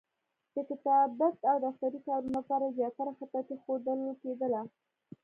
د کتابت او دفتري کارونو لپاره زیاتره خطاطي ښودل کېدله.